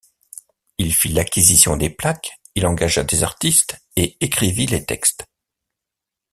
Il fit l'acquisition des plaques, il engagea des artistes et écrivit les textes.